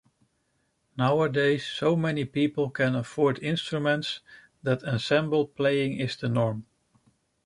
Nowadays so many people can afford instruments that ensemble playing is the norm.